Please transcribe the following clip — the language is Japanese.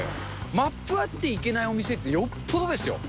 マップあって行けないお店ってよっぽどですよ。